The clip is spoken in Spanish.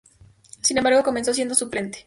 Sin embargo, comenzó siendo suplente.